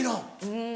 うん。